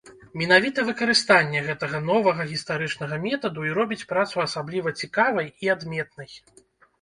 Менавіта выкарыстанне гэтага новага гістарычнага метаду і робіць працу асабліва цікавай і адметнай.